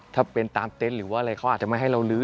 ถ้าเป็นตามเต็นต์หรือว่าอะไรเขาอาจจะไม่ให้เราลื้อ